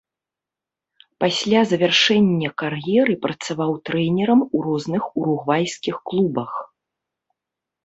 Пасля завяршэння кар'еры працаваў трэнерам у розных уругвайскіх клубах.